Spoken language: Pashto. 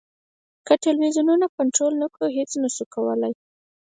که ټلویزیونونه کنټرول نه کړو هېڅ نه شو کولای.